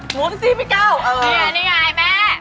หมุนสิพี่กาวเออนี่นี่ไงแม่